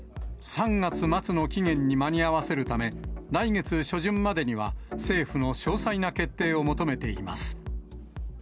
３月末の期限に間に合わせるため、来月初旬までには、政府の詳細な決定を求めています。